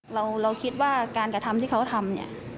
เราคิดว่าการกระทำที่เขาทำเนี่ย